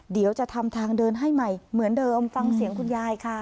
เดี๋ยวจะทำทางเดินให้ใหม่เหมือนเดิมฟังเสียงคุณยายค่ะ